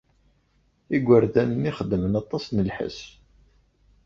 Igerdan-nni xeddmen aṭas n lḥess.